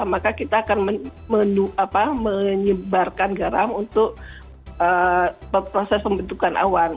maka kita akan menyebarkan garam untuk proses pembentukan awan